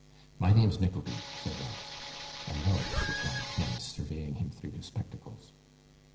'My name's Nickleby,' said Ralph. 'I know it,' replied Tim, surveying him through his spectacles.